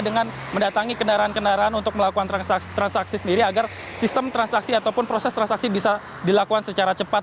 dengan mendatangi kendaraan kendaraan untuk melakukan transaksi sendiri agar sistem transaksi ataupun proses transaksi bisa dilakukan secara cepat